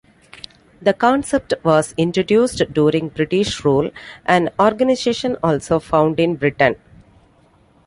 The concept was introduced during British rule, an organisation also found in Britain.